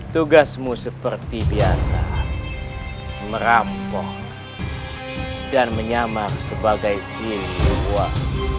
tugasmu seperti biasa merampok dan menyamar sebagai si luar